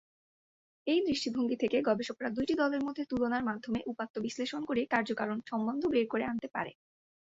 এই দৃষ্টিভঙ্গি থেকে গবেষকেরা দুইটি দলের মধ্যে তুলনার মাধ্যমে উপাত্ত বিশ্লেষণ করে কার্যকারণ সম্বন্ধ বের করে আনতে পারে।